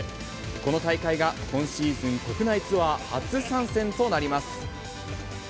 この大会が今シーズン国内ツアー初参戦となります。